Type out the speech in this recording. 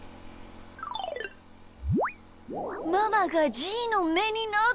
ママがじーのめになってる！